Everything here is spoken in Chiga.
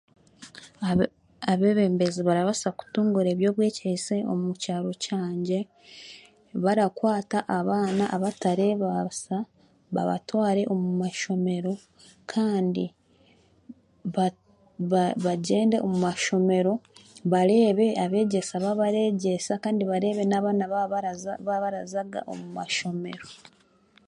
Abe abebembezi barabaasa kutunguura eby'obwegyese omu kyaro kyangye barakwata abaana abatareebaasa babatware omu mashomero kandi bati ba bagyende omu mashomero bareebe abegyesa baabaregyesa kandi bareebe n'abaana baabaraza baabarazaga mu mashomero